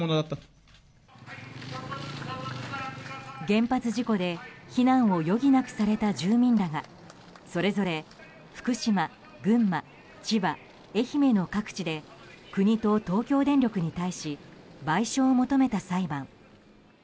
原発事故で避難を余儀なくされた住民らがそれぞれ福島、群馬、千葉、愛媛の各地で国と東京電力に対し賠償を求めた裁判。